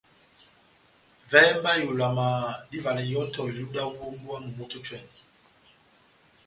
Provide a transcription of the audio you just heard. Vɛhɛ mba ihulama dá ivala ihɔtɔ iluhu dáwu ó mbówa momó tɛ́h otwɛ́nɛ́.